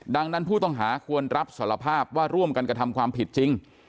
ดังนั้นผู้ต้องหาควรรับสารภาพว่าร่วมกันกระทำความผิดจริง